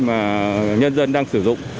mà nhân dân đang sử dụng